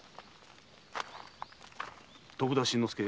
徳田新之助。